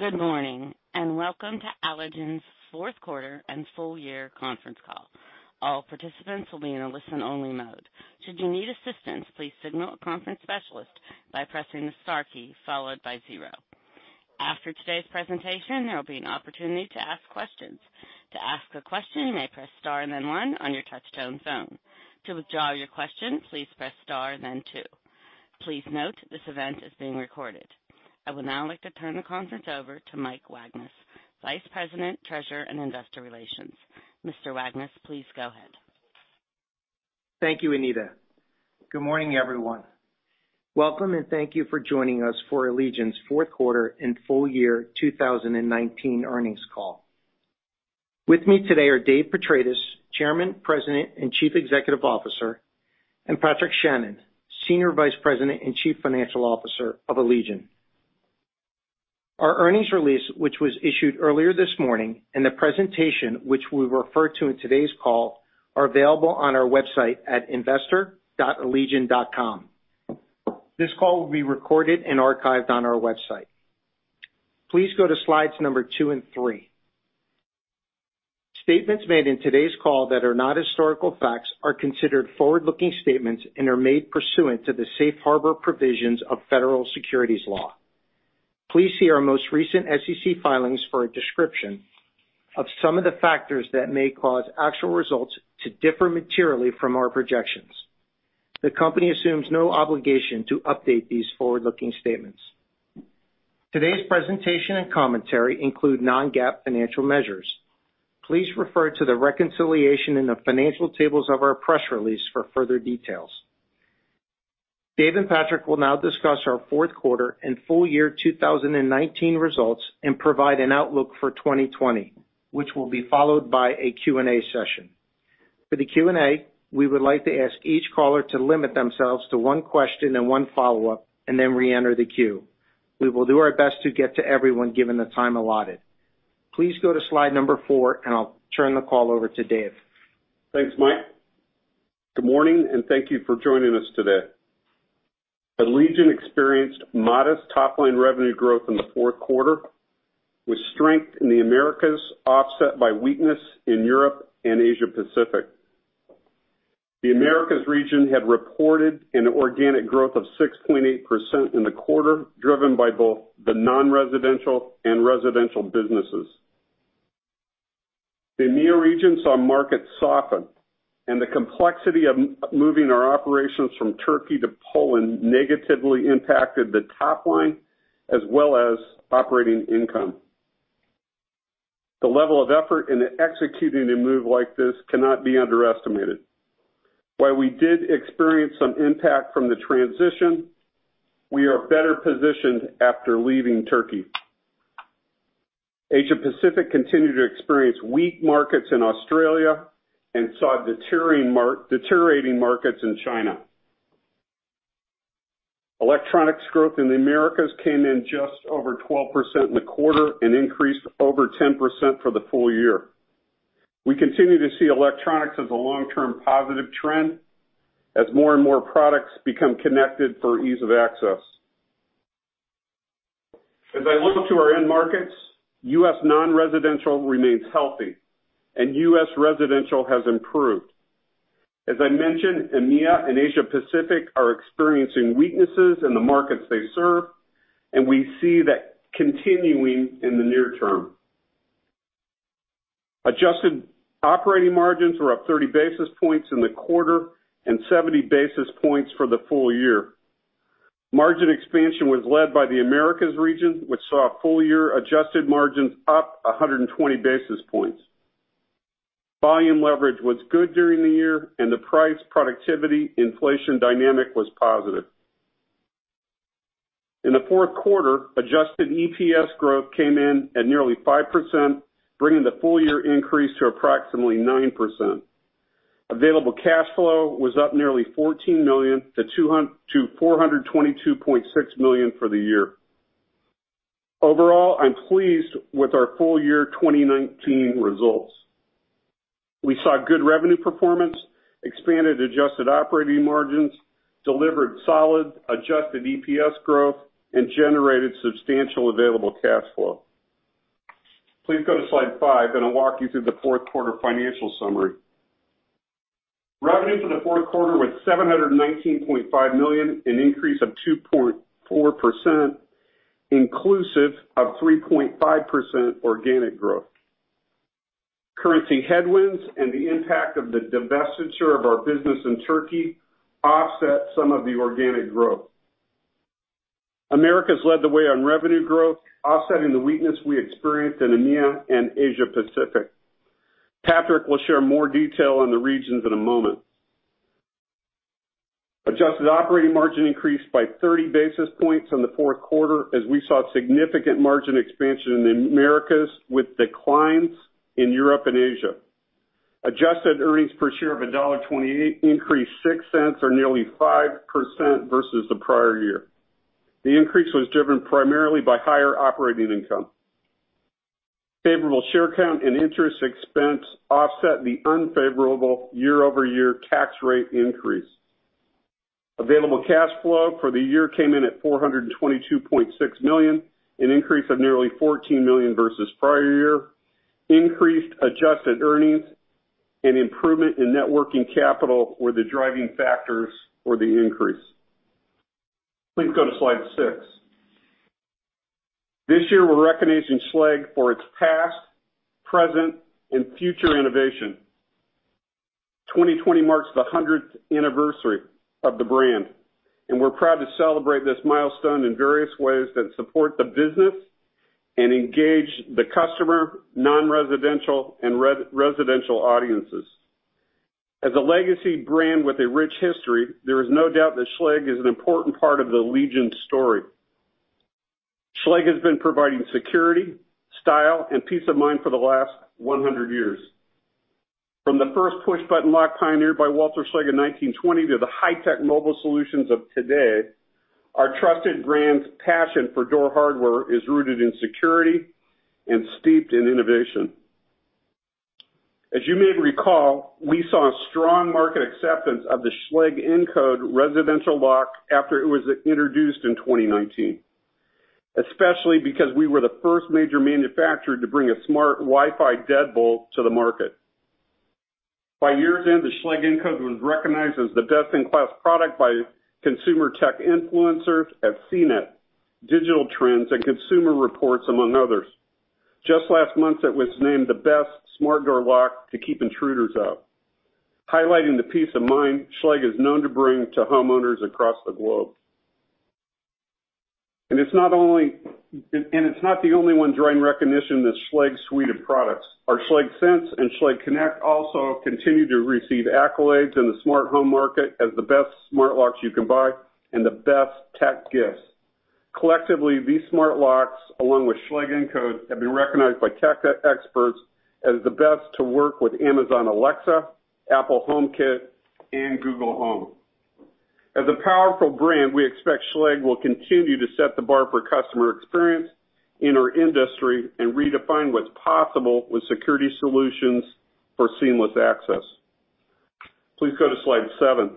Good morning, and welcome to Allegion's Q4 and full year conference call. All participants will be in a listen-only mode. Should you need assistance, please signal a conference specialist by pressing the star key followed by zero. After today's presentation, there will be an opportunity to ask questions. To ask a question, you may press star and then one on your touch-tone phone. To withdraw your question, please press star and then two. Please note, this event is being recorded. I would now like to turn the conference over to Mike Wagnes, Vice President, Treasurer, and Investor Relations. Mr. Wagnes, please go ahead. Thank you, Anita. Good morning, everyone. Welcome, and thank you for joining us for Allegion's Q4 and full year 2019 earnings call. With me today are David Petratis, Chairman, President, and Chief Executive Officer, and Patrick Shannon, Senior Vice President and Chief Financial Officer of Allegion. Our earnings release, which was issued earlier this morning, and the presentation, which we refer to in today's call, are available on our website at investor.allegion.com. This call will be recorded and archived on our website. Please go to slides number two and three. Statements made in today's call that are not historical facts are considered forward-looking statements and are made pursuant to the safe harbor provisions of federal securities law. Please see our most recent SEC filings for a description of some of the factors that may cause actual results to differ materially from our projections. The company assumes no obligation to update these forward-looking statements. Today's presentation and commentary include non-GAAP financial measures. Please refer to the reconciliation in the financial tables of our press release for further details. Dave and Patrick will now discuss our Q4 and full year 2019 results and provide an outlook for 2020, which will be followed by a Q&A session. For the Q&A, we would like to ask each caller to limit themselves to one question and one follow-up and then reenter the queue. We will do our best to get to everyone given the time allotted. Please go to slide number four, and I'll turn the call over to Dave. Thanks, Mike. Good morning, and thank you for joining us today. Allegion experienced modest top-line revenue growth in the Q4, with strength in the Americas offset by weakness in Europe and Asia Pacific. The Americas region had reported an organic growth of 6.8% in the quarter, driven by both the non-residential and residential businesses. The EMEA region saw markets soften, and the complexity of moving our operations from Turkey to Poland negatively impacted the top line as well as operating income. The level of effort in executing a move like this cannot be underestimated. While we did experience some impact from the transition, we are better positioned after leaving Turkey. Asia Pacific continued to experience weak markets in Australia and saw deteriorating markets in China. Electronics growth in the Americas came in just over 12% in the quarter and increased over 10% for the full year. We continue to see electronics as a long-term positive trend as more and more products become connected for ease of access. As I look to our end markets, U.S. non-residential remains healthy, and U.S. residential has improved. As I mentioned, EMEA and Asia Pacific are experiencing weaknesses in the markets they serve, and we see that continuing in the near-term. Adjusted operating margins were up 30 basis points in the quarter and 70 basis points for the full year. Margin expansion was led by the Americas region, which saw full-year adjusted margins up 120 basis points. Volume leverage was good during the year, and the price productivity inflation dynamic was positive. In the Q4, adjusted EPS growth came in at nearly 5%, bringing the full-year increase to approximately 9%. Available cash flow was up nearly $14 million to $422.6 million for the year. Overall, I'm pleased with our full-year 2019 results. We saw good revenue performance, expanded adjusted operating margins, delivered solid adjusted EPS growth, and generated substantial available cash flow. Please go to slide five, and I'll walk you through the Q4 financial summary. Revenue for the Q4 was $719.5 million, an increase of 2.4%, inclusive of 3.5% organic growth. Currency headwinds and the impact of the divestiture of our business in Turkey offset some of the organic growth. Americas led the way on revenue growth, offsetting the weakness we experienced in EMEA and Asia Pacific. Patrick will share more detail on the regions in a moment. Adjusted operating margin increased by 30 basis points in the Q4 as we saw significant margin expansion in the Americas with declines in Europe and Asia. Adjusted earnings per share of $1.28 increased $0.06 or nearly 5% versus the prior year. The increase was driven primarily by higher operating income. Favorable share count and interest expense offset the unfavorable year-over-year tax rate increase. Available cash flow for the year came in at $422.6 million, an increase of nearly $14 million versus prior year. Increased adjusted earnings and improvement in net working capital were the driving factors for the increase. Please go to slide six. This year, we're recognizing Schlage for its past, present, and future innovation. 2020 marks the 100th anniversary of the brand, and we're proud to celebrate this milestone in various ways that support the business and engage the customer, non-residential, and residential audiences. As a legacy brand with a rich history, there is no doubt that Schlage is an important part of the Allegion story. Schlage has been providing security, style, and peace of mind for the last 100 years. From the first push button lock pioneered by Walter Schlage in 1920 to the high-tech mobile solutions of today, our trusted brand's passion for door hardware is rooted in security and steeped in innovation. As you may recall, we saw strong market acceptance of the Schlage Encode residential lock after it was introduced in 2019, especially because we were the first major manufacturer to bring a smart Wi-Fi deadbolt to the market. By year's end, the Schlage Encode was recognized as the best-in-class product by consumer tech influencers at CNET, Digital Trends, and Consumer Reports, among others. Just last month, it was named the best smart door lock to keep intruders out, highlighting the peace of mind Schlage is known to bring to homeowners across the globe. It's not the only one drawing recognition in the Schlage suite of products. Our Schlage Sense and Schlage Connect also continue to receive accolades in the smart home market as the best smart locks you can buy and the best tech gifts. Collectively, these smart locks, along with Schlage Encode, have been recognized by tech experts as the best to work with Amazon Alexa, Apple HomeKit, and Google Home. As a powerful brand, we expect Schlage will continue to set the bar for customer experience in our industry and redefine what's possible with security solutions for seamless access. Please go to slide seven.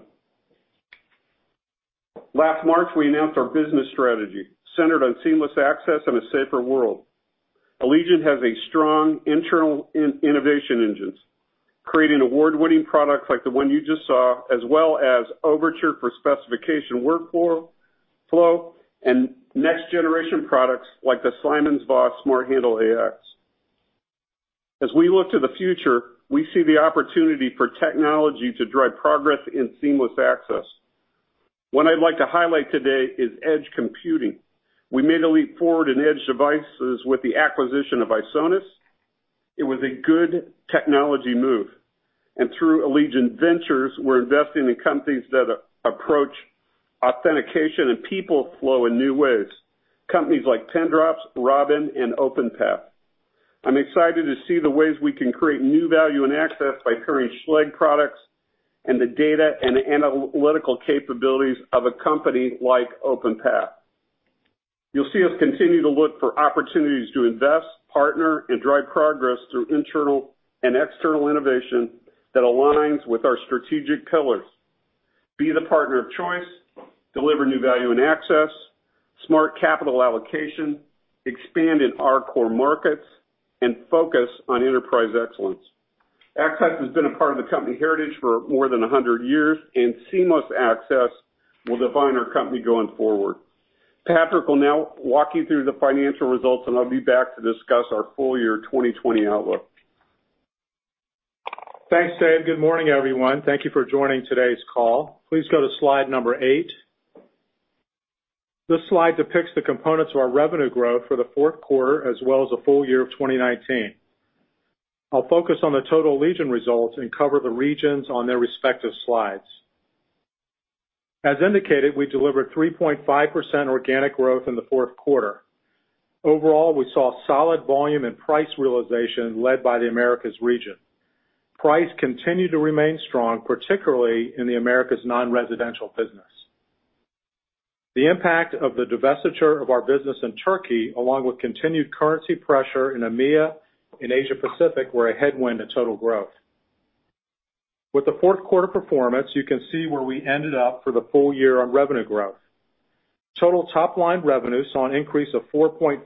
Last March, we announced our business strategy centered on seamless access and a safer world. Allegion has a strong internal innovation engines, creating award-winning products like the one you just saw, as well as Overture for specification workflow, and next generation products like the SimonsVoss SmartHandle AX. As we look to the future, we see the opportunity for technology to drive progress in seamless access. One I'd like to highlight today is edge computing. We made a leap forward in edge devices with the acquisition of Isonas. It was a good technology move. Through Allegion Ventures, we're investing in companies that approach authentication and people flow in new ways. Companies like 10d, Robin, and Openpath. I'm excited to see the ways we can create new value and access by pairing Schlage products and the data and analytical capabilities of a company like Openpath. You'll see us continue to look for opportunities to invest, partner, and drive progress through internal and external innovation that aligns with our strategic pillars. Be the partner of choice, deliver new value and access, smart capital allocation, expand in our core markets, and focus on enterprise excellence. Access has been a part of the company heritage for more than 100 years. Seamless access will define our company going forward. Patrick will now walk you through the financial results. I'll be back to discuss our full-year 2020 outlook. Thanks, Dave. Good morning, everyone. Thank you for joining today's call. Please go to slide number eight. This slide depicts the components of our revenue growth for the Q4 as well as the full year of 2019. I'll focus on the total Allegion results and cover the regions on their respective slides. As indicated, we delivered 3.5% organic growth in the Q4. Overall, we saw solid volume and price realization led by the Americas region. Price continued to remain strong, particularly in the Americas non-residential business. The impact of the divestiture of our business in Turkey, along with continued currency pressure in EMEA and Asia Pacific, were a headwind to total growth. With the Q4 performance, you can see where we ended up for the full year on revenue growth. Total top-line revenue saw an increase of 4.5%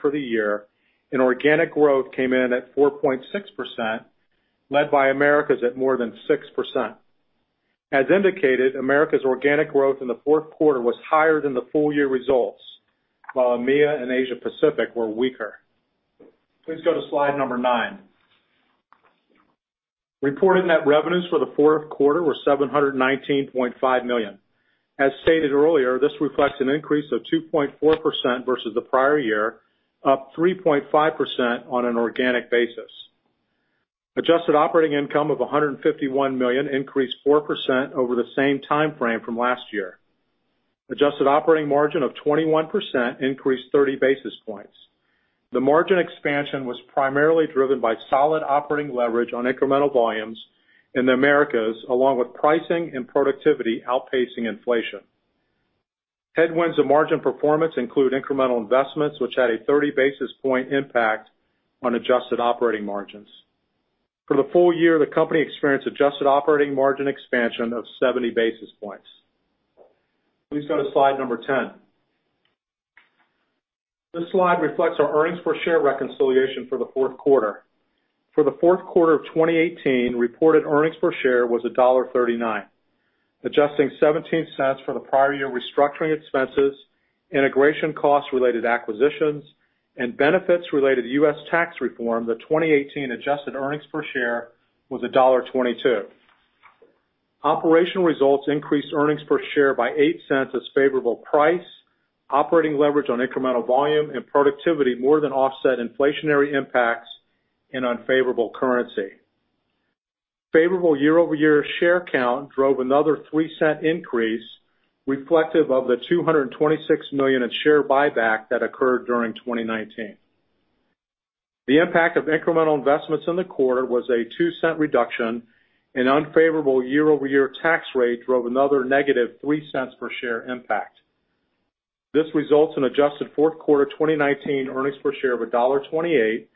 for the year, and organic growth came in at 4.6%, led by Americas at more than 6%. As indicated, Americas organic growth in the Q4 was higher than the full year results, while EMEA and Asia Pacific were weaker. Please go to slide number nine. Reported net revenues for the Q4 were $719.5 million. As stated earlier, this reflects an increase of 2.4% versus the prior year, up 3.5% on an organic basis. Adjusted operating income of $151 million increased 4% over the same time frame from last year. Adjusted operating margin of 21% increased 30 basis points. The margin expansion was primarily driven by solid operating leverage on incremental volumes in the Americas, along with pricing and productivity outpacing inflation. Headwinds of margin performance include incremental investments, which had a 30 basis point impact on adjusted operating margins. For the full year, the company experienced adjusted operating margin expansion of 70 basis points. Please go to slide number 10. This slide reflects our earnings per share reconciliation for the Q4. For the Q4 of 2018, reported earnings per share was $1.39. Adjusting $0.17 for the prior year restructuring expenses, integration costs related acquisitions, and benefits related to U.S. tax reform, the 2018 adjusted earnings per share was $1.22. Operational results increased earnings per share by $0.08 as favorable price, operating leverage on incremental volume, and productivity more than offset inflationary impacts and unfavorable currency. Favorable year-over-year share count drove another $0.03 increase reflective of the $226 million in share buyback that occurred during 2019. The impact of incremental investments in the quarter was a $0.02 reduction, and unfavorable year-over-year tax rate drove another negative $0.03 per share impact. This results in adjusted Q4 2019 earnings per share of $1.28,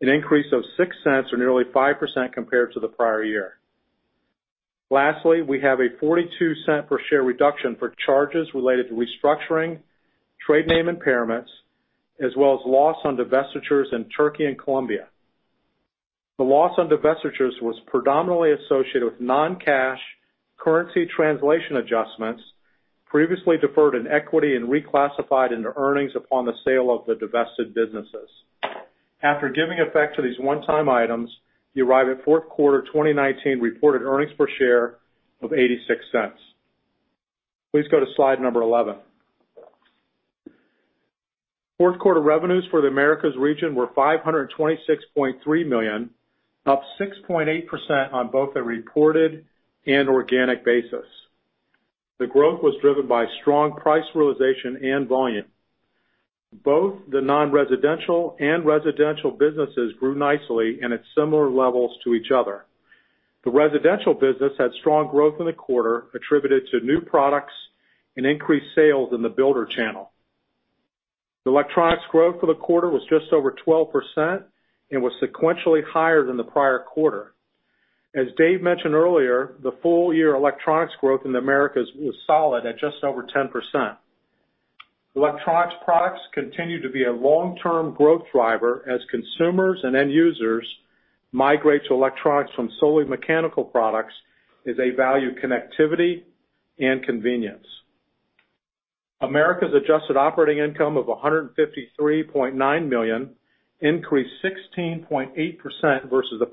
an increase of $0.06 or nearly 5% compared to the prior year. Lastly, we have a $0.42 per share reduction for charges related to restructuring, trade name impairments, as well as loss on divestitures in Turkey and Colombia. The loss on divestitures was predominantly associated with non-cash currency translation adjustments previously deferred in equity and reclassified into earnings upon the sale of the divested businesses. After giving effect to these one-time items, you arrive at Q4 2019 reported earnings per share of $0.86. Please go to slide number 11. Q4 revenues for the Americas region were $526.3 million, up 6.8% on both a reported and organic basis. The growth was driven by strong price realization and volume. Both the non-residential and residential businesses grew nicely and at similar levels to each other. The residential business had strong growth in the quarter attributed to new products and increased sales in the builder channel. The electronics growth for the quarter was just over 12% and was sequentially higher than the prior quarter. As Dave mentioned earlier, the full-year electronics growth in the Americas was solid at just over 10%. Electronics products continue to be a long-term growth driver as consumers and end users migrate to electronics from solely mechanical products as they value connectivity and convenience. Americas' adjusted operating income of $153.9 million increased 16.8% versus the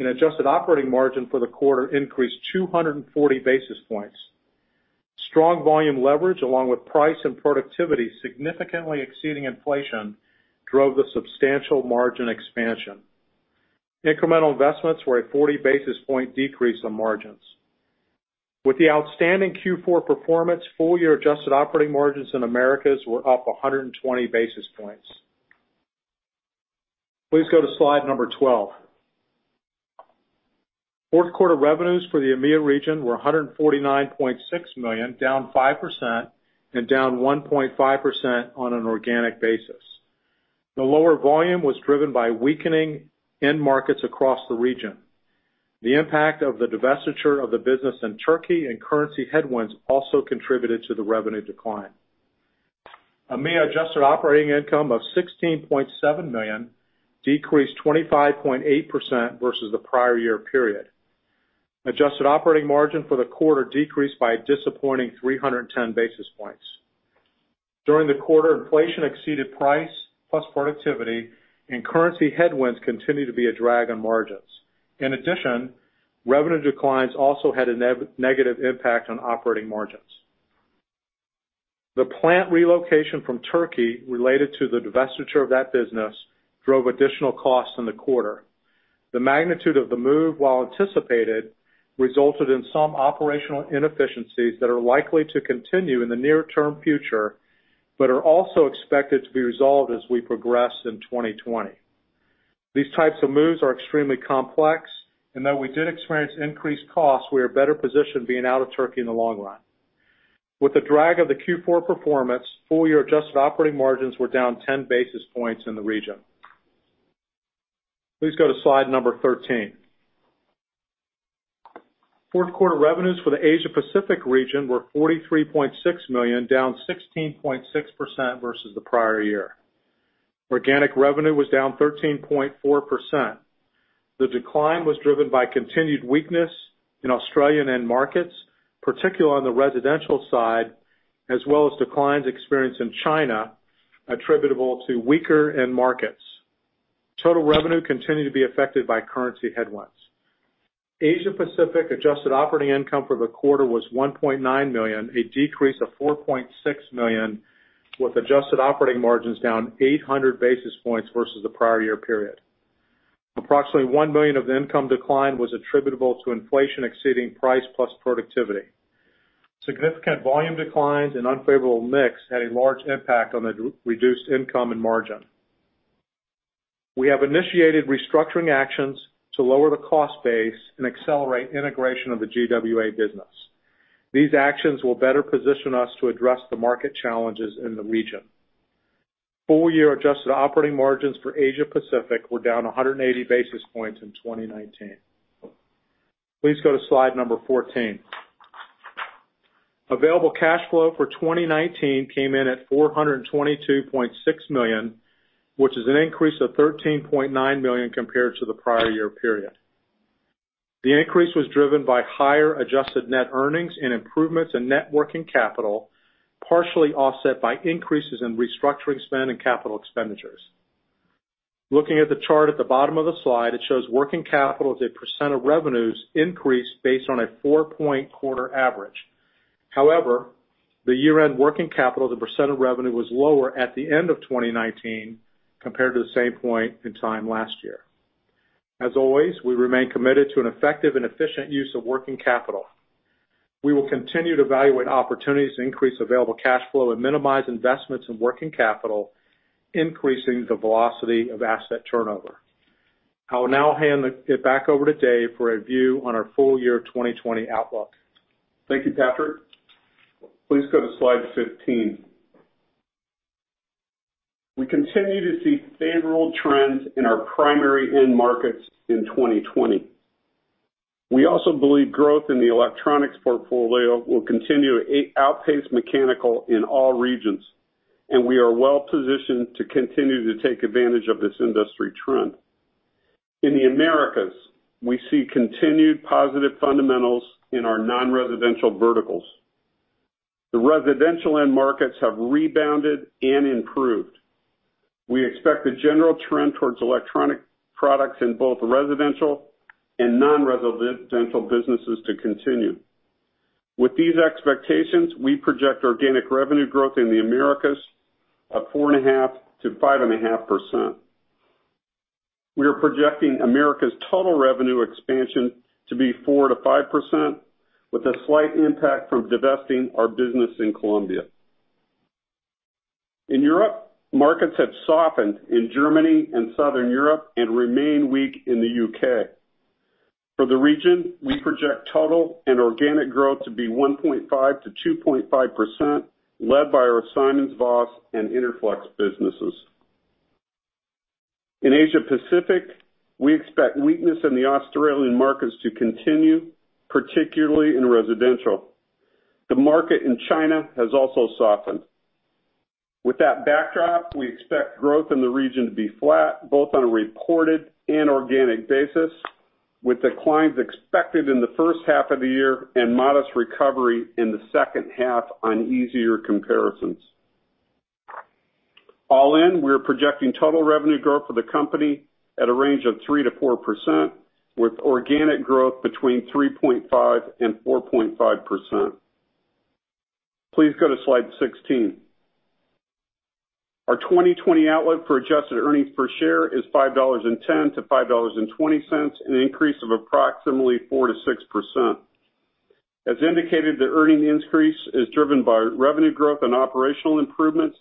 prior year period, and adjusted operating margin for the quarter increased 240 basis points. Strong volume leverage, along with price and productivity significantly exceeding inflation, drove the substantial margin expansion. Incremental investments were a 40 basis point decrease on margins. With the outstanding Q4 performance, full-year adjusted operating margins in Americas were up 120 basis points. Please go to slide number 12. Q4 revenues for the EMEA region were $149.6 million, down 5%, and down 1.5% on an organic basis. The lower volume was driven by weakening end markets across the region. The impact of the divestiture of the business in Turkey and currency headwinds also contributed to the revenue decline. EMEIA adjusted operating income of $16.7 million decreased 25.8% versus the prior year period. Adjusted operating margin for the quarter decreased by a disappointing 310 basis points. During the quarter, inflation exceeded price plus productivity, and currency headwinds continued to be a drag on margins. In addition, revenue declines also had a negative impact on operating margins. The plant relocation from Turkey related to the divestiture of that business drove additional costs in the quarter. The magnitude of the move, while anticipated, resulted in some operational inefficiencies that are likely to continue in the near-term future but are also expected to be resolved as we progress in 2020. These types of moves are extremely complex, and though we did experience increased costs, we are better positioned being out of Turkey in the long run. With the drag of the Q4 performance, full-year adjusted operating margins were down 10 basis points in the region. Please go to slide number 13. Q4 revenues for the Asia-Pacific region were $43.6 million, down 16.6% versus the prior year. Organic revenue was down 13.4%. The decline was driven by continued weakness in Australian end markets, particularly on the residential side, as well as declines experienced in China attributable to weaker end markets. Total revenue continued to be affected by currency headwinds. Asia-Pacific adjusted operating income for the quarter was $1.9 million, a decrease of $4.6 million with adjusted operating margins down 800 basis points versus the prior year period. Approximately $1 million of the income decline was attributable to inflation exceeding price plus productivity. Significant volume declines and unfavorable mix had a large impact on the reduced income and margin. We have initiated restructuring actions to lower the cost base and accelerate integration of the GWA business. These actions will better position us to address the market challenges in the region. Full-year adjusted operating margins for Asia-Pacific were down 180 basis points in 2019. Please go to slide number 14. Available cash flow for 2019 came in at $422.6 million, which is an increase of $13.9 million compared to the prior year period. The increase was driven by higher adjusted net earnings and improvements in net working capital, partially offset by increases in restructuring spend and capital expenditures. Looking at the chart at the bottom of the slide, it shows working capital as a percentage of revenues increased based on a four-point quarter average. However, the year-end working capital to percentage of revenue was lower at the end of 2019 compared to the same point in time last year. As always, we remain committed to an effective and efficient use of working capital. We will continue to evaluate opportunities to increase available cash flow and minimize investments in working capital, increasing the velocity of asset turnover. I will now hand it back over to Dave for a view on our full-year 2020 outlook. Thank you, Patrick. Please go to slide 15. We continue to see favorable trends in our primary end markets in 2020. We also believe growth in the electronics portfolio will continue to outpace mechanical in all regions, and we are well positioned to continue to take advantage of this industry trend. In the Americas, we see continued positive fundamentals in our non-residential verticals. The residential end markets have rebounded and improved. We expect the general trend towards electronic products in both residential and non-residential businesses to continue. With these expectations, we project organic revenue growth in the Americas of 4.5%-5.5%. We are projecting Americas' total revenue expansion to be 4%-5% with a slight impact from divesting our business in Colombia. In Europe, markets have softened in Germany and Southern Europe and remain weak in the U.K. For the region, we project total and organic growth to be 1.5%-2.5%, led by our SimonsVoss and Interflex businesses. In Asia Pacific, we expect weakness in the Australian markets to continue, particularly in residential. The market in China has also softened. With that backdrop, we expect growth in the region to be flat, both on a reported and organic basis, with declines expected in the H1 of the year and modest recovery in the H2 on easier comparisons. All in, we're projecting total revenue growth for the company at a range of 3%-4%, with organic growth between 3.5% and 4.5%. Please go to slide 16. Our 2020 outlook for adjusted earnings per share is $5.10-$5.20, an increase of approximately 4%-6%. As indicated, the earnings increase is driven by revenue growth and operational improvements,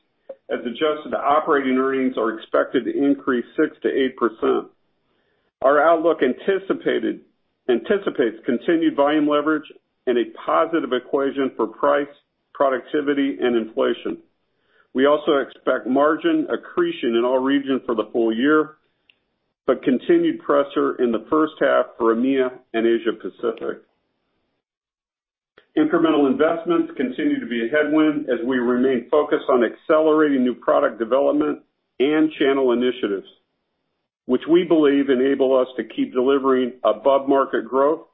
as adjusted operating earnings are expected to increase 6%-8%. Our outlook anticipates continued volume leverage and a positive equation for price, productivity, and inflation. We also expect margin accretion in all regions for the full year, but continued pressure in the H1 for EMEA and Asia Pacific. Incremental investments continue to be a headwind as we remain focused on accelerating new product development and channel initiatives, which we believe enable us to keep delivering above-market growth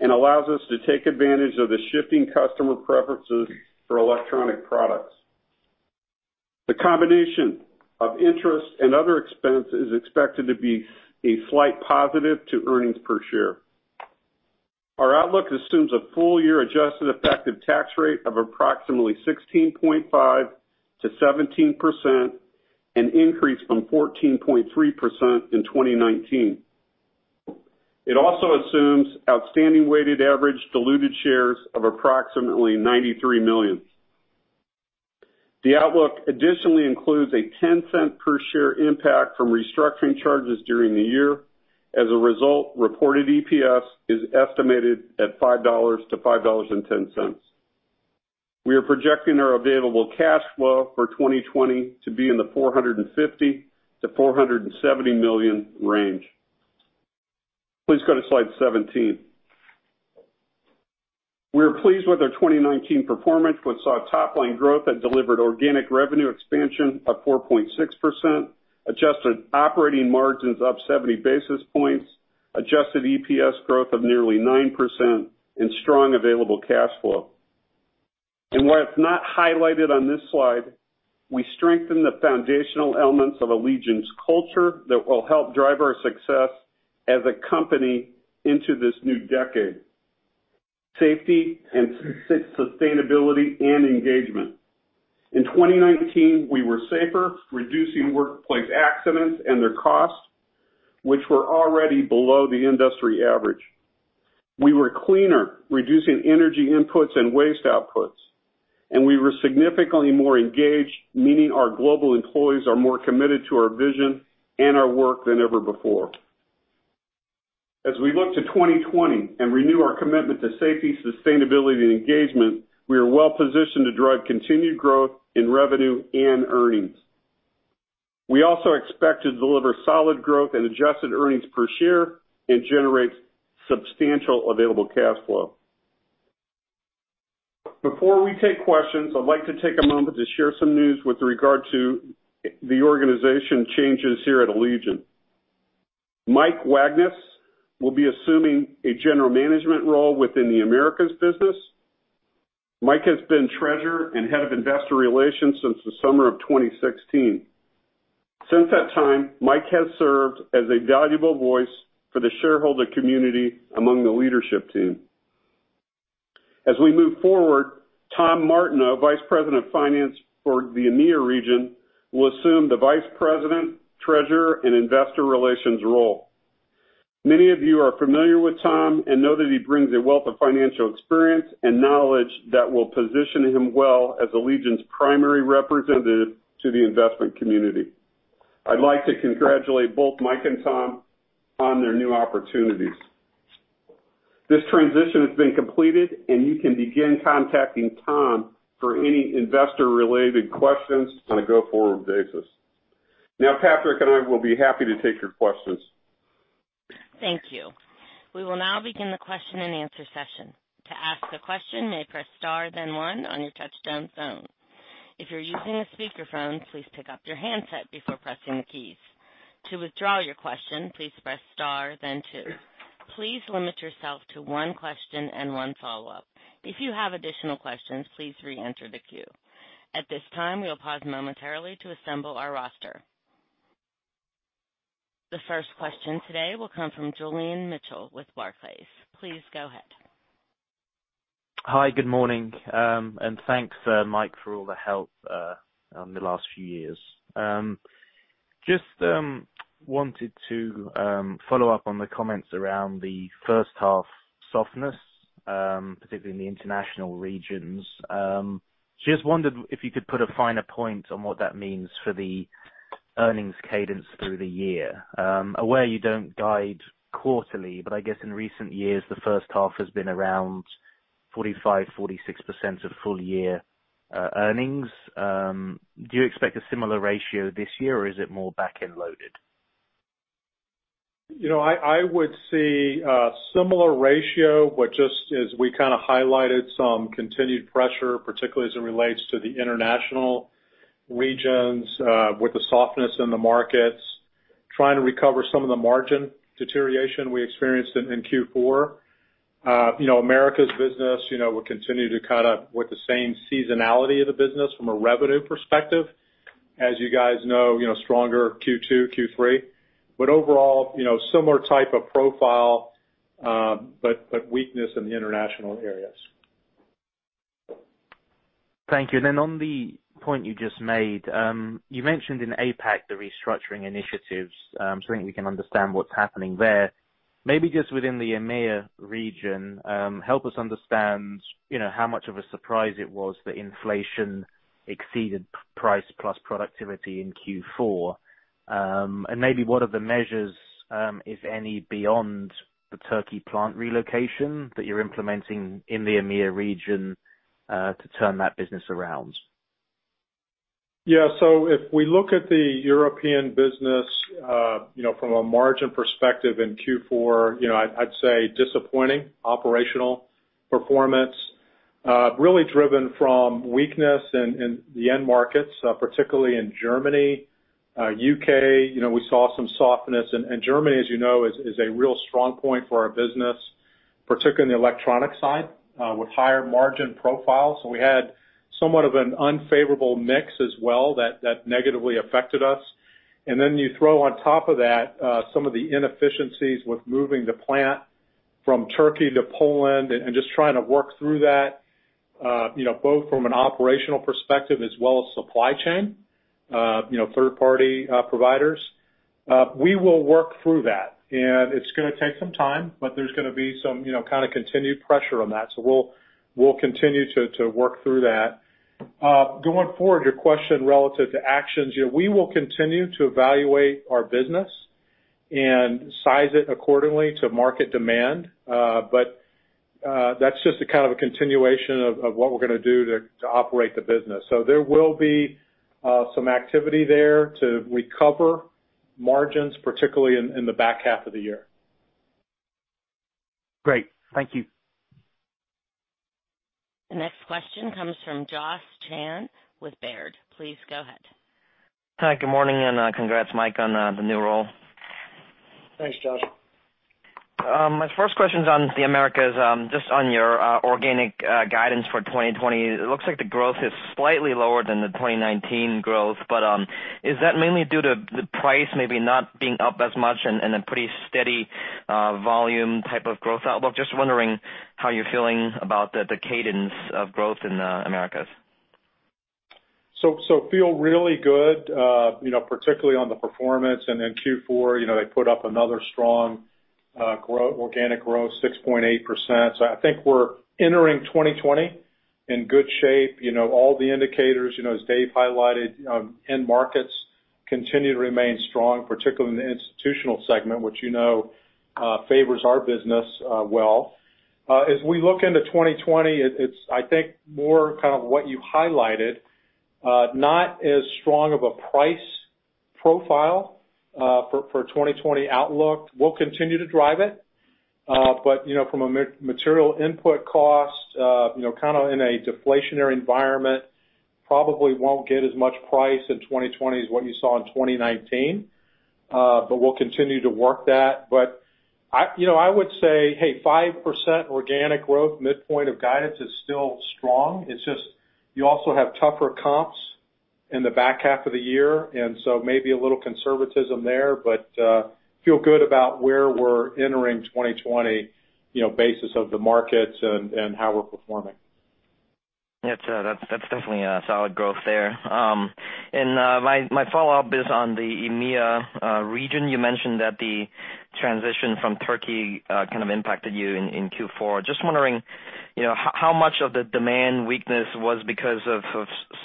and allows us to take advantage of the shifting customer preferences for electronic products. The combination of interest and other expense is expected to be a slight positive to earnings per share. Our outlook assumes a full-year adjusted effective tax rate of approximately 16.5%-17%, an increase from 14.3% in 2019. It also assumes outstanding weighted average diluted shares of approximately 93 million. The outlook additionally includes a $0.10 per share impact from restructuring charges during the year. As a result, reported EPS is estimated at $5-$5.10. We are projecting our available cash flow for 2020 to be in the $450 million-$470 million range. Please go to slide 17. We are pleased with our 2019 performance, which saw top-line growth that delivered organic revenue expansion of 4.6%, adjusted operating margins up 70 basis points, adjusted EPS growth of nearly 9%, and strong available cash flow. What is not highlighted on this slide, we strengthened the foundational elements of Allegion's culture that will help drive our success as a company into this new decade: safety and sustainability and engagement. In 2019, we were safer, reducing workplace accidents and their costs, which were already below the industry average. We were cleaner, reducing energy inputs and waste outputs, and we were significantly more engaged, meaning our global employees are more committed to our vision and our work than ever before. As we look to 2020 and renew our commitment to safety, sustainability, and engagement, we are well positioned to drive continued growth in revenue and earnings. We also expect to deliver solid growth in adjusted earnings per share and generate substantial available cash flow. Before we take questions, I'd like to take a moment to share some news with regard to the organization changes here at Allegion. Mike Wagnes will be assuming a general management role within the Americas business. Mike has been Treasurer and Head of Investor Relations since the summer of 2016. Since that time, Mike has served as a valuable voice for the shareholder community among the leadership team. As we move forward, Tom Martineau, Vice President of Finance for the EMEIA region, will assume the Vice President, Treasurer, and Investor Relations role. Many of you are familiar with Tom and know that he brings a wealth of financial experience and knowledge that will position him well as Allegion's primary representative to the investment community. I'd like to congratulate both Mike and Tom on their new opportunities. This transition has been completed, and you can begin contacting Tom for any investor-related questions on a go-forward basis. Patrick and I will be happy to take your questions. Thank you. We will now begin the question-and-answer session. To ask a question, may press star then one on your touchtone phone. If you're using a speakerphone, please pick up your handset before pressing the keys. To withdraw your question, please press star then two. Please limit yourself to one question and one follow-up. If you have additional questions, please reenter the queue. At this time, we'll pause momentarily to assemble our roster. The first question today will come from Julian Mitchell with Barclays. Please go ahead. Hi. Good morning. Thanks, Mike, for all the help over the last few years. Just wanted to follow-up on the comments around the H1 softness, particularly in the international regions. Just wondered if you could put a finer point on what that means for the earnings cadence through the year. I'm aware you don't guide quarterly, but I guess in recent years, the H1 has been around 45%, 46% of full year earnings. Do you expect a similar ratio this year, or is it more back-end loaded? I would say a similar ratio, but just as we kind of highlighted some continued pressure, particularly as it relates to the international regions with the softness in the markets, trying to recover some of the margin deterioration we experienced in Q4. Americas business will continue to kind of with the same seasonality of the business from a revenue perspective, as you guys know, stronger Q2, Q3. Overall, similar type of profile, but weakness in the international areas. Thank you. On the point you just made, you mentioned in APAC, the restructuring initiatives, so I think we can understand what's happening there. Maybe just within the EMEIA region, help us understand how much of a surprise it was that inflation exceeded price plus productivity in Q4. Maybe what are the measures if any, beyond the Turkey plant relocation that you're implementing in the EMEA region to turn that business around? Yeah. If we look at the European business from a margin perspective in Q4, I'd say disappointing operational performance. Really driven from weakness in the end markets, particularly in Germany. U.K., we saw some softness. Germany, as you know, is a real strong point for our business, particularly in the electronic side with higher margin profiles. We had somewhat of an unfavorable mix as well that negatively affected us. You throw on top of that some of the inefficiencies with moving the plant from Turkey to Poland and just trying to work through that both from an operational perspective as well as supply chain, third-party providers. We will work through that, and it's going to take some time, but there's going to be some kind of continued pressure on that. We'll continue to work through that. Going forward, your question relative to actions. We will continue to evaluate our business and size it accordingly to market demand. That's just a kind of a continuation of what we're going to do to operate the business. There will be some activity there to recover margins, particularly in the back half of the year. Great. Thank you. The next question comes from Josh Pokrzywinski with Baird. Please go ahead. Hi. Good morning, and congrats, Mike, on the new role. Thanks, Josh. My first question's on the Americas, just on your organic guidance for 2020. It looks like the growth is slightly lower than the 2019 growth. Is that mainly due to the price maybe not being up as much and a pretty steady volume type of growth outlook? Just wondering how you're feeling about the cadence of growth in the Americas. Feel really good, particularly on the performance. Then Q4, they put up another strong organic growth, 6.8%. I think we're entering 2020 in good shape. All the indicators, as Dave highlighted, end markets continue to remain strong, particularly in the institutional segment, which you know favors our business well. As we look into 2020, it's, I think, more kind of what you highlighted. Not as strong of a price profile for 2020 outlook. We'll continue to drive it. From a material input cost, kind of in a deflationary environment, probably won't get as much price in 2020 as what you saw in 2019. We'll continue to work that. I would say, hey, 5% organic growth midpoint of guidance is still strong. It's just you also have tougher comps in the back half of the year, maybe a little conservatism there. Feel good about where we're entering 2020, basis of the markets and how we're performing. That's definitely a solid growth there. My follow-up is on the EMEA region. You mentioned that the transition from Turkey kind of impacted you in Q4. Just wondering, how much of the demand weakness was because of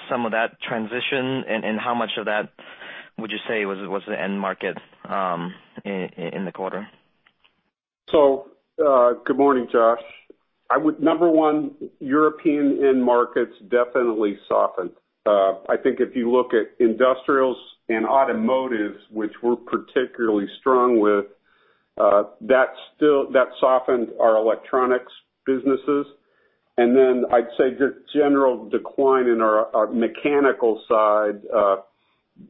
some of that transition, and how much of that would you say was the end market in the quarter? Good morning, Josh. Number one, European end markets definitely softened. I think if you look at industrials and automotives, which we're particularly strong with, that softened our electronics businesses. Then I'd say general decline in our mechanical side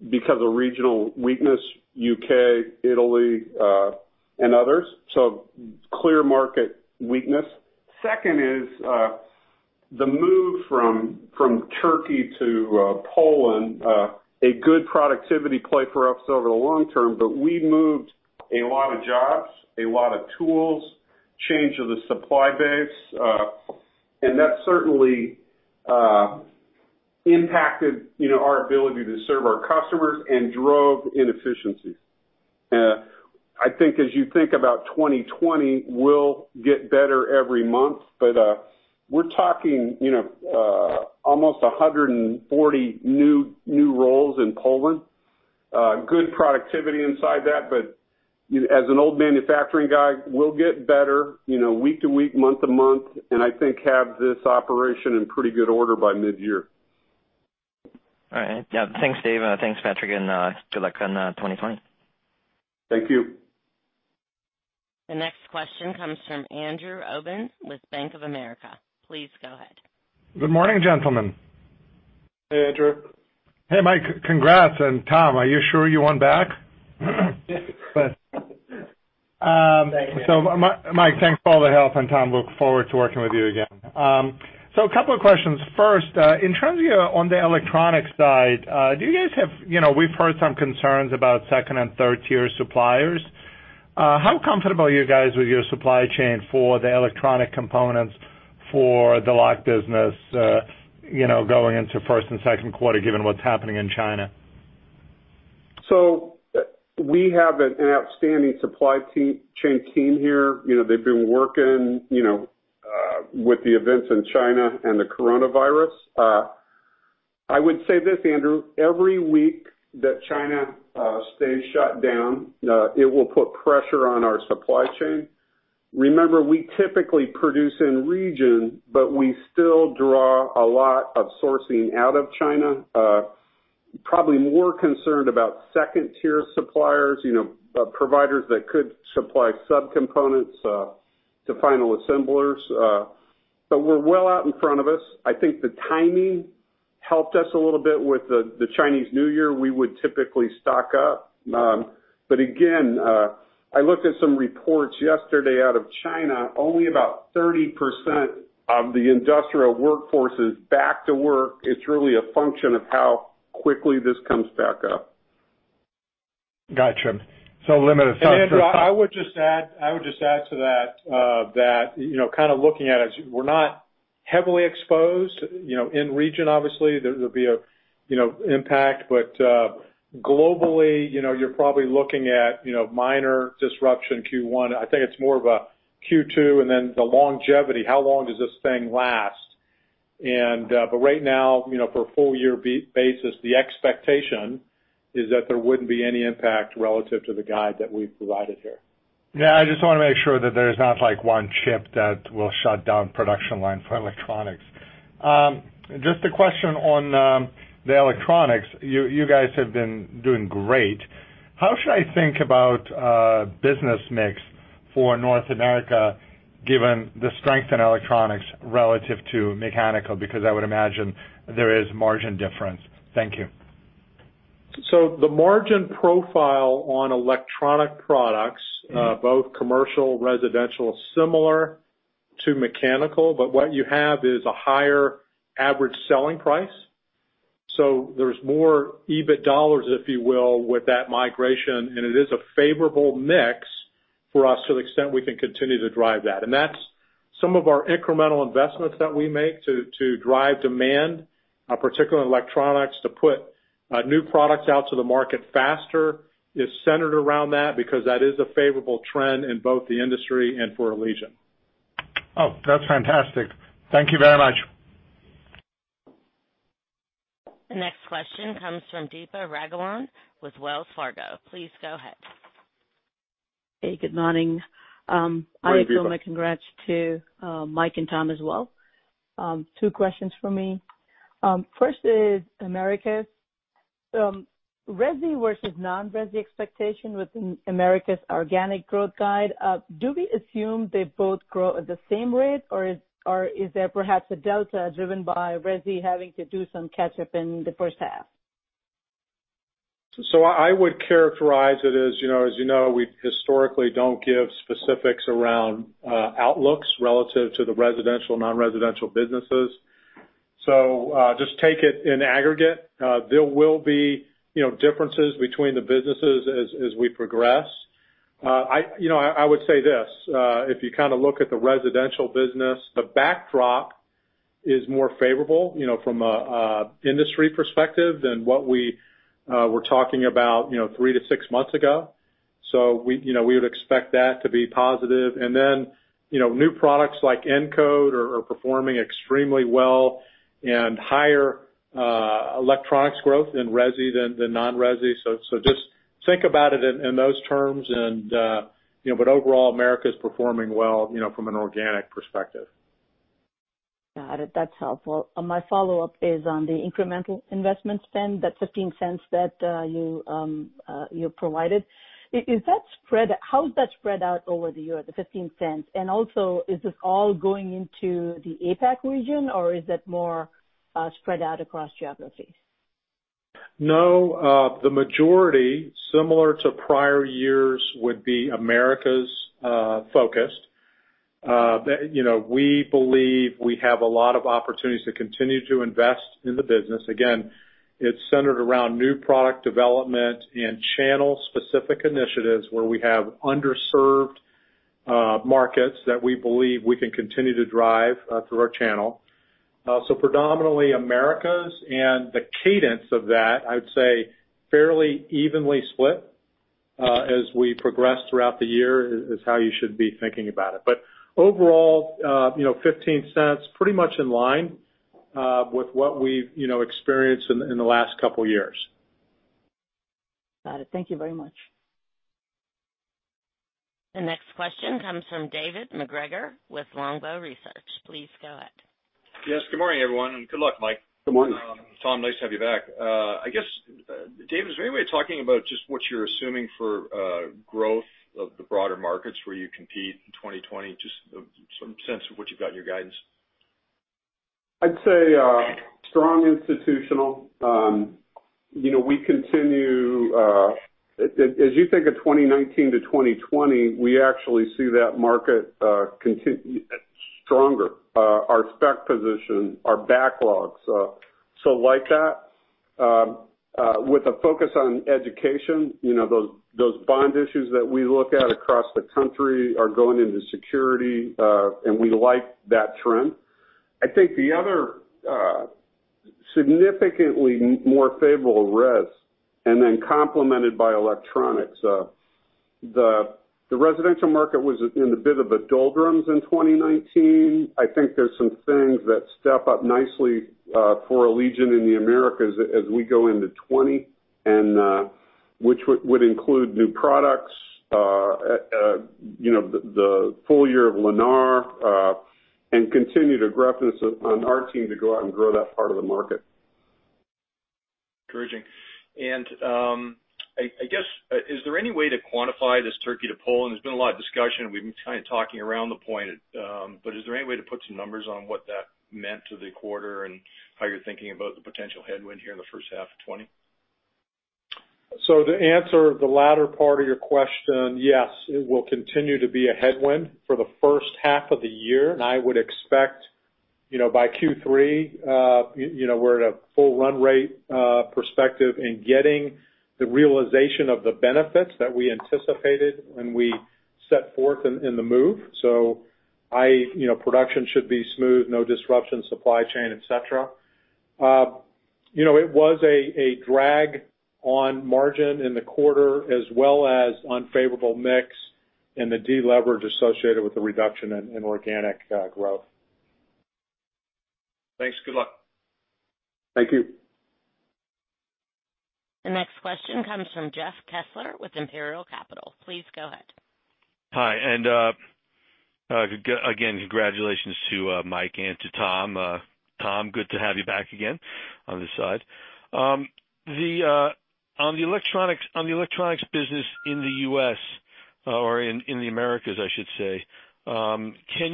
because of regional weakness, U.K., Italy, and others. Clear market weakness. Second is the move from Turkey to Poland. A good productivity play for us over the long term. We moved a lot of jobs, a lot of tools, change of the supply base. That certainly impacted our ability to serve our customers and drove inefficiencies. I think as you think about 2020, we'll get better every month. We're talking almost 140 new roles in Poland. Good productivity inside that, but as an old manufacturing guy, we'll get better week-to-week, month-to-month, and I think have this operation in pretty good order by mid-year. All right. Thanks, Dave, and thanks, Patrick, and good luck on 2020. Thank you. The next question comes from Andrew Obin with Bank of America. Please go ahead. Good morning, gentlemen. Hey, Andrew. Hey, Mike. Congrats. Tom, are you sure you want back? Thank you. Mike, thanks for all the help, and Tom, look forward to working with you again. Couple of questions. First, in terms of on the electronics side, we've heard some concerns about second and third-tier suppliers. How comfortable are you guys with your supply chain for the electronic components for the lock business, going into Q1 and Q2, given what's happening in China? We have an outstanding supply chain team here. They've been working with the events in China and the coronavirus. I would say this, Andrew, every week that China stays shut down, it will put pressure on our supply chain. Remember, we typically produce in region, but we still draw a lot of sourcing out of China. Probably more concerned about second-tier suppliers, providers that could supply sub-components to final assemblers. We're well out in front of us. I think the timing helped us a little bit with the Chinese New Year. We would typically stock up. Again, I looked at some reports yesterday out of China, only about 30% of the industrial workforce is back to work. It's really a function of how quickly this comes back up. Got you. limited supply. Andrew, I would just add to that kind of looking at it, we're not heavily exposed. In region, obviously, there'll be an impact, but globally, you're probably looking at minor disruption Q1. I think it's more of a Q2, and then the longevity, how long does this thing last? Right now, for a full-year basis, the expectation is that there wouldn't be any impact relative to the guide that we've provided here. Yeah, I just want to make sure that there's not one chip that will shut down production line for electronics. Just a question on the electronics. You guys have been doing great. How should I think about business mix for North America, given the strength in electronics relative to mechanical? I would imagine there is margin difference. Thank you. The margin profile on electronic products, both commercial, residential, similar to mechanical, but what you have is a higher average selling price. There's more EBIT dollars, if you will, with that migration, and it is a favorable mix For us to the extent we can continue to drive that. That's some of our incremental investments that we make to drive demand, particularly in electronics, to put new products out to the market faster, is centered around that because that is a favorable trend in both the industry and for Allegion. Oh, that's fantastic. Thank you very much. The next question comes from Deepa Raghavan with Wells Fargo. Please go ahead. Hey, good morning. Hi, Deepa. I want to give my congrats to Mike and Tom as well. Two questions from me. First is Americas. Resi versus non-resi expectation within Americas' organic growth guide. Do we assume they both grow at the same rate, or is there perhaps a delta driven by resi having to do some catch-up in the H1? I would characterize it as you know, we historically don't give specifics around outlooks relative to the residential, non-residential businesses. Just take it in aggregate. There will be differences between the businesses as we progress. I would say this: if you look at the residential business, the backdrop is more favorable from an industry perspective than what we were talking about three-six months ago. We would expect that to be positive. New products like Encode are performing extremely well and higher electronics growth in resi than non-resi. Just think about it in those terms but overall, Americas is performing well from an organic perspective. Got it. That's helpful. My follow-up is on the incremental investment spend, that $0.15 that you provided. How is that spread out over the year, the $0.15? Also, is this all going into the APAC region, or is it more spread out across geographies? The majority, similar to prior years, would be Americas-focused. We believe we have a lot of opportunities to continue to invest in the business. It's centered around new product development and channel-specific initiatives where we have underserved markets that we believe we can continue to drive through our channel. Predominantly Americas. The cadence of that, I would say fairly evenly split as we progress throughout the year, is how you should be thinking about it. Overall $0.15, pretty much in line with what we've experienced in the last couple of years. Got it. Thank you very much. The next question comes from David MacGregor with Longbow Research. Please go ahead. Yes, good morning, everyone, and good luck, Mike. Good morning. Tom, nice to have you back. I guess, Dave, is there any way of talking about just what you're assuming for growth of the broader markets where you compete in 2020, just some sense of what you've got in your guidance? I'd say strong institutional. As you think of 2019-2020, we actually see that market stronger. Our spec position, our backlogs, so like that. With a focus on education, those bond issues that we look at across the country are going into security, and we like that trend. I think the other significantly more favorable res, and then complemented by electronics. The residential market was in a bit of a doldrums in 2019. I think there's some things that step up nicely for Allegion in the Americas as we go into 2020, which would include new products, the full year of Lennar, and continue to graft this on our team to go out and grow that part of the market. Encouraging. I guess, is there any way to quantify this turkey to Poland? There's been a lot of discussion. We've been kind of talking around the point. Is there any way to put some numbers on what that meant to the quarter and how you're thinking about the potential headwind here in the H1 of 2020? To answer the latter part of your question, yes, it will continue to be a headwind for the H1 of the year, and I would expect, by Q3, we're at a full run rate perspective in getting the realization of the benefits that we anticipated when we set forth in the move. Production should be smooth, no disruption, supply chain, et cetera. It was a drag on margin in the quarter, as well as unfavorable mix and the deleverage associated with the reduction in organic growth. Thanks. Good luck. Thank you. The next question comes from Jeff Kessler with Imperial Capital. Please go ahead. Hi, and again, congratulations to Mike and to Tom. Tom, good to have you back again on this side. On the electronics business in the U.S., or in the Americas, I should say. Can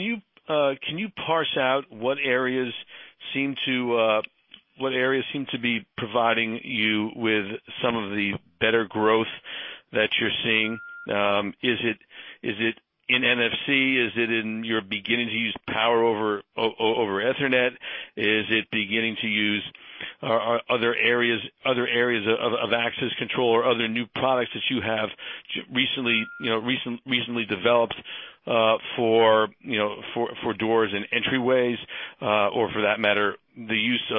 you parse out what areas seem to be providing you with some of the better growth that you're seeing? Is it in NFC? Is it in you're beginning to use Power over Ethernet? Are other areas of access control or other new products that you have recently developed for doors and entryways, or for that matter, the use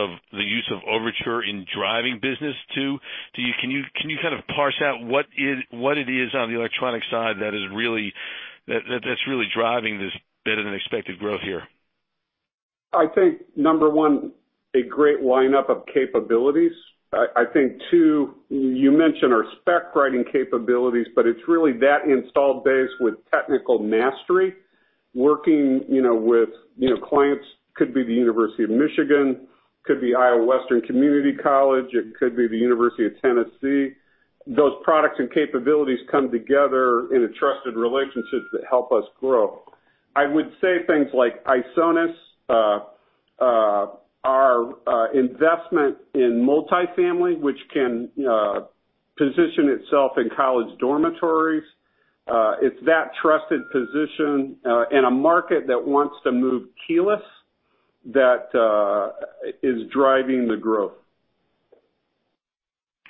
of Overture in driving business too? Can you parse out what it is on the electronic side that's really driving this better-than-expected growth here? I think, number one, a great lineup of capabilities. I think two, you mentioned our spec writing capabilities, but it's really that installed base with technical mastery, working with clients. Could be the University of Michigan, could be Iowa Western Community College, it could be the University of Tennessee. Those products and capabilities come together in trusted relationships that help us grow. I would say things like Isonas, our investment in multi-family, which can position itself in college dormitories. It's that trusted position in a market that wants to move keyless that is driving the growth.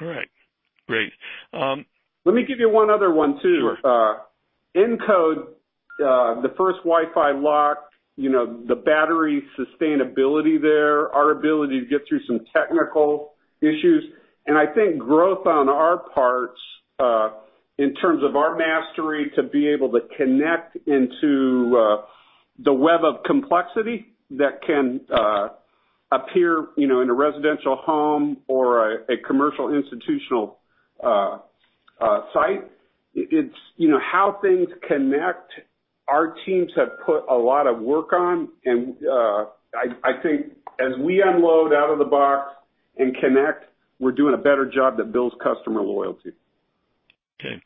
All right, great. Let me give you one other one too. Sure. Encode, the first Wi-Fi lock, the battery sustainability there, our ability to get through some technical issues. I think growth on our parts, in terms of our mastery to be able to connect into the web of complexity that can appear in a residential home or a commercial institutional site. It's how things connect, our teams have put a lot of work on, and I think as we unload out of the box and connect, we're doing a better job that builds customer loyalty. Okay.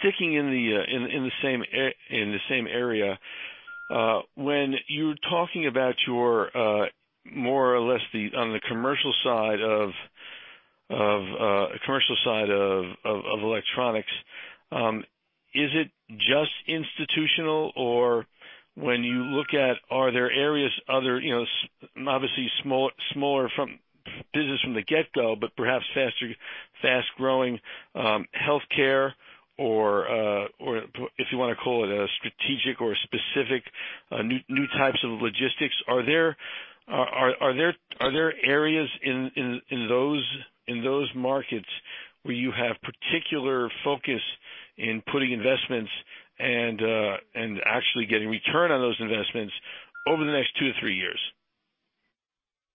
Sticking in the same area, when you're talking about your, more or less, on the commercial side of electronics, is it just institutional? Or when you look at, are there areas, obviously smaller business from the get-go, but perhaps fast-growing, healthcare or, if you want to call it a strategic or a specific, new types of logistics. Are there areas in those markets where you have particular focus in putting investments and actually getting return on those investments over the next two-three years?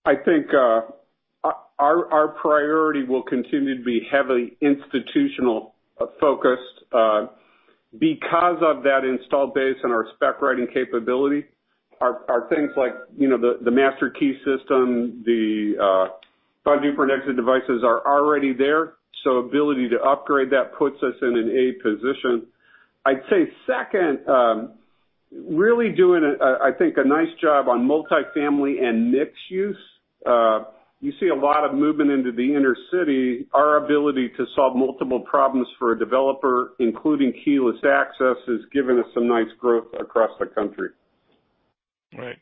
I think our priority will continue to be heavily institutional-focused, because of that installed base and our spec writing capability. Our things like the master key system, the bunch of different exit devices are already there. Ability to upgrade that puts us in an A position. I'd say second, really doing, I think, a nice job on multi-family and mixed use. You see a lot of movement into the inner city. Our ability to solve multiple problems for a developer, including keyless access, has given us some nice growth across the country. All right.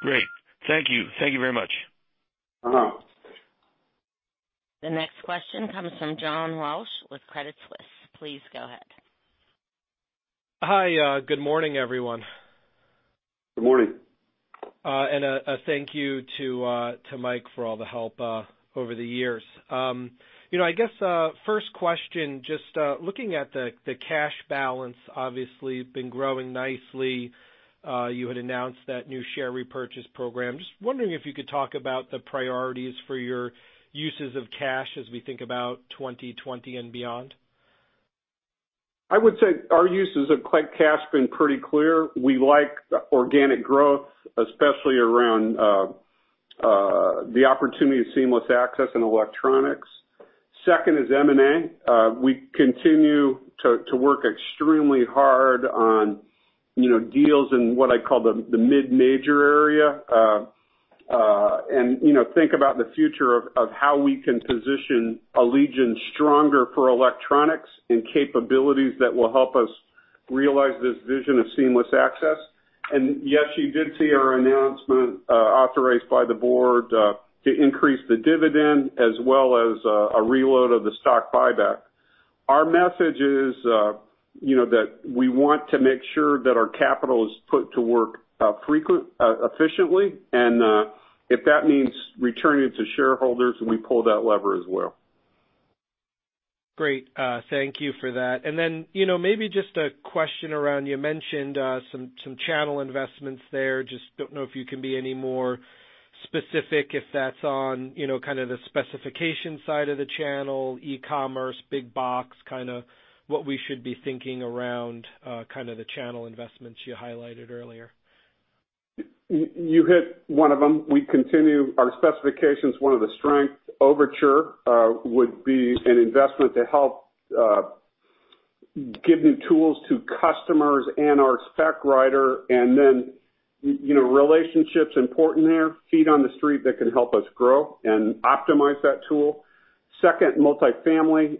Great. Thank you. Thank you very much. The next question comes from John Walsh with Credit Suisse. Please go ahead. Hi. Good morning, everyone. Good morning. A thank you to Mike for all the help over the years. I guess, first question, just looking at the cash balance, obviously been growing nicely. You had announced that new share repurchase program. Just wondering if you could talk about the priorities for your uses of cash as we think about 2020 and beyond. I would say our uses of cash have been pretty clear. We like organic growth, especially around the opportunity of seamless access and electronics. Second is M&A. We continue to work extremely hard on deals in what I call the mid-major area. Think about the future of how we can position Allegion stronger for electronics and capabilities that will help us realize this vision of seamless access. Yes, you did see our announcement, authorized by the board, to increase the dividend, as well as a reload of the stock buyback. Our message is that we want to make sure that our capital is put to work efficiently, and if that means returning it to shareholders, we pull that lever as well. Great. Thank you for that. Maybe just a question around, you mentioned some channel investments there. Just don't know if you can be any more specific, if that's on kind of the specification side of the channel, e-commerce, big box, what we should be thinking around the channel investments you highlighted earlier. You hit one of them. We continue our specifications, one of the strengths. Overture would be an investment to help give new tools to customers and our spec writer, and relationship's important there. Feet on the street that can help us grow and optimize that tool. Second, multi-family.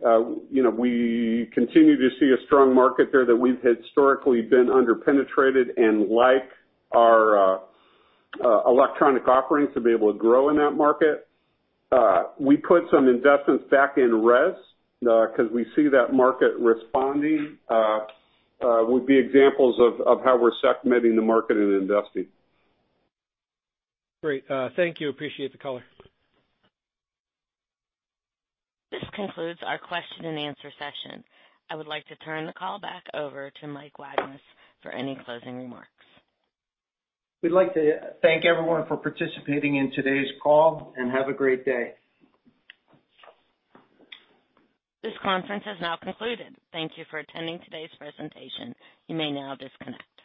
We continue to see a strong market there that we've historically been under-penetrated and like our electronic offerings to be able to grow in that market. We put some investments back in res, because we see that market responding, would be examples of how we're segmenting the market and investing. Great. Thank you. Appreciate the color. This concludes our question-and-answer session. I would like to turn the call back over to Mike Wagnes for any closing remarks. We'd like to thank everyone for participating in today's call, and have a great day. This conference has now concluded. Thank you for attending today's presentation. You may now disconnect.